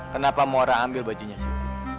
kenapa muara ambil bajunya siti